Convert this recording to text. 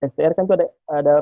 str kan itu ada